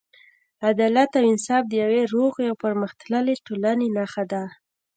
عدالت او انصاف د یوې روغې او پرمختللې ټولنې نښه ده.